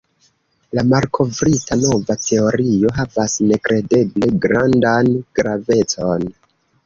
La malkovrita nova teorio havas nekredeble grandan gravecon.